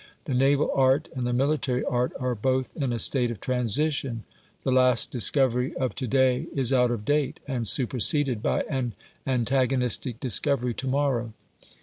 The naval art and the military art are both in a state of transition; the last discovery of to day is out of date, and superseded by an antagonistic discovery to morrow.